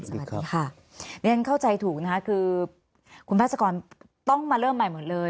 สวัสดีค่ะนี่ก็เข้าใจถูกคือคุณพระศกรรณ์ต้องมาเริ่มใหม่หมดเลย